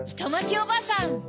おばさん！